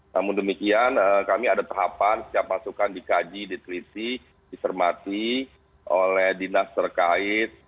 namun demikian kami ada tahapan setiap masukan dikaji diteliti disermati oleh dinas terkait